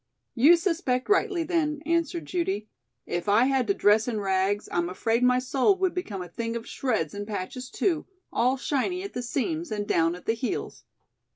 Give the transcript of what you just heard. "You suspect rightly, then," answered Judy. "If I had to dress in rags, I'm afraid my soul would become a thing of shreds and patches, too, all shiny at the seams and down at the heels."